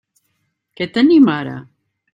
Què tenim ara?